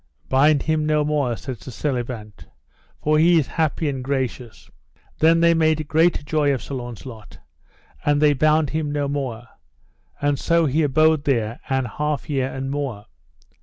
Bind him no more, said Sir Selivant, for he is happy and gracious. Then they made great joy of Sir Launcelot, and they bound him no more; and so he abode there an half year and more.